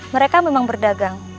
mereka memang berdagang